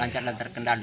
lancar dan terkendali